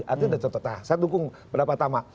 artinya ada contoh nah saya dukung berapa pertama